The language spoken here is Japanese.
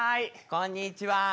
こんにちは。